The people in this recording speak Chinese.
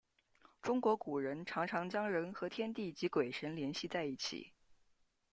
中国古人常常将人和天地及鬼神联系在一起。